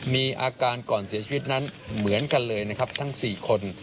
มีอาการก่อนเสียชีวิตนั้นเหมือนกันเลยนะครับทั้ง๔คน